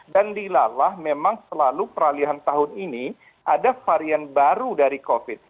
dan dilalah memang selalu peralihan tahun ini ada varian baru dari covid